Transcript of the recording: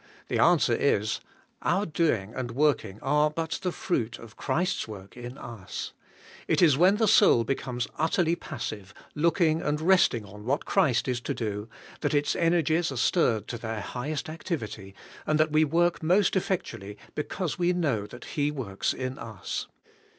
the answer is, 'Our doing and working are but the fruit of Christ's work in us,' It is when the soul becomes utterly passive, looking and resting on what Christ is to do, that its energies TRUSTING HIM TO KEEP YOU. 31 are stirred to their highest activity, and that we work most effectually because we know that He works in us.